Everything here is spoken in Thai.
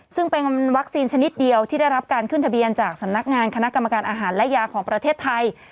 ซึ่งเป็นวัคซีนชนิดเดียวที่ได้รับการขึ้นทะเบียนจากสำนักงานคณะกรรมการอาหารและยาของประเทศไทย